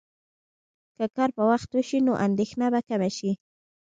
که کار په وخت وشي، نو اندېښنه به کمه شي.